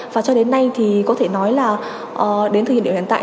và cho đến nay thì có thể nói là đến thời điểm hiện tại